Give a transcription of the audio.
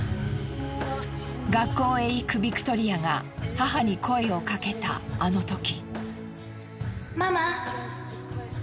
学校へ行くビクトリアが母に声をかけたあのとき。